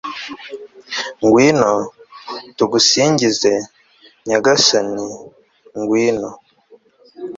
ngwino, tugusingize, nyagasani, ngwino